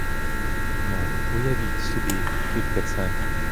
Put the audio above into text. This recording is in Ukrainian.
Ну, уявіть собі тільки це!